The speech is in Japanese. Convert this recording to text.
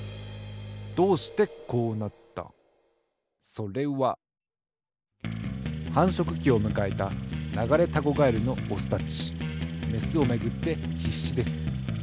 それははんしょくきをむかえたナガレタゴガエルのオスたちメスをめぐってひっしです。